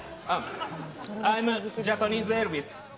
アイム・ジャパニーズエルヴィス。